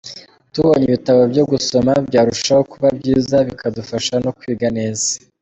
Tubonye ibitabo byo gusoma byarushaho kuba byiza bikadufasha no kwiga neza”.